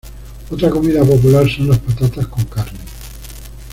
Otra comida popular son las patatas con carne.